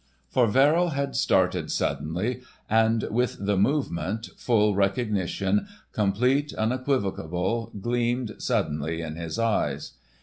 For Verrill had started suddenly, and with the movement, full recognition, complete, unequivocal, gleamed suddenly in his eyes.